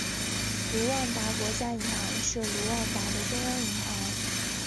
卢旺达国家银行是卢旺达的中央银行。